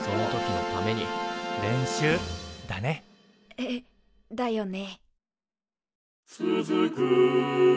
えだよね。